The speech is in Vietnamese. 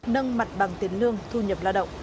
nâng mặt bằng tiền lương thu nhập lao động